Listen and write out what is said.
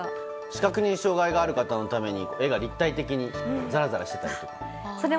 視覚に障害がある方のために絵が立体的にざらざらしていたり。